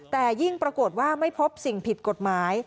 แต่ยิ่งปรากฏว่าไม่พบสิ่งผิดกฎหมาย